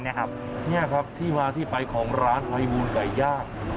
นี่ครับที่มาที่ไปของร้านไฮมูลไก่ย่าง